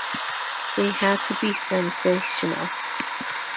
They had to be sensational.